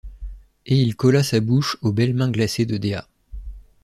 Et il colla sa bouche aux belles mains glacées de Dea.